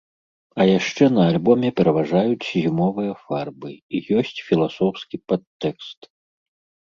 А яшчэ на альбоме пераважаюць зімовыя фарбы і ёсць філасофскі падтэкст.